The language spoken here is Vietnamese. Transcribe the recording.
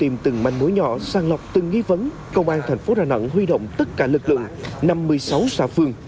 mỗi nhỏ sang lọc từng nghi vấn công an thành phố đà nẵng huy động tất cả lực lượng năm mươi sáu xã phương